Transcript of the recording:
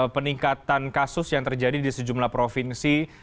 peningkatan kasus yang terjadi di sejumlah provinsi